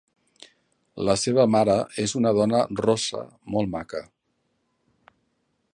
La seva mare és una dona rossa molt maca.